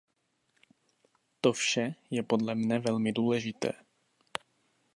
To vše je podle mne velmi důležité.